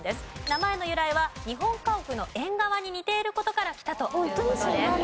名前の由来は日本家屋の縁側に似ている事からきたという事です。